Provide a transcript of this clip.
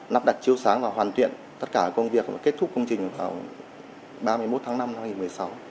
nắp đặt chiếu sáng và hoàn tuyện tất cả công việc và kết thúc công trình vào ba mươi một tháng năm năm hai nghìn một mươi sáu